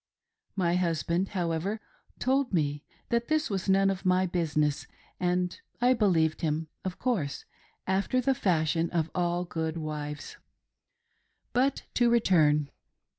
My husband, however, told me that this was none of my business, and I believed him, of course, after the fashion of all good wives. But to return.